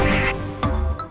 terima kasih ya pak